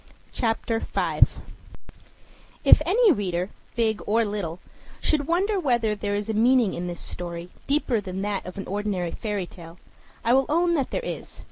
CHAPTER V If any reader, big or little, should wonder whether there is a meaning in this story deeper than that of an ordinary fairy tale, I will own that there is.